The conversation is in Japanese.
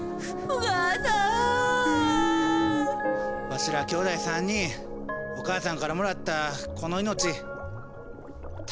わしらきょうだい３人お母さんからもらったこの命大切にせんとあかんな。